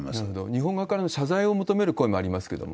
日本側からの謝罪を求める声もありますけれども。